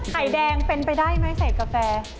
ไข่แดงเป็นไปได้ไหมใส่กาแฟ